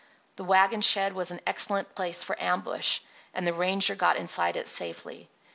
The wagon shed was an excellent place for ambush; and the ranger got inside it safely.